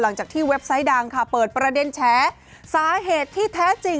หลังจากที่เว็บไซต์ดังเปิดประเด็นแฉสาเหตุที่แท้จริง